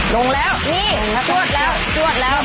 ลงแล้วนี่ถ้าทวดแล้วทวดแล้ว